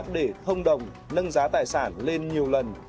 để thông đồng nâng giá tài sản lên nhiều lần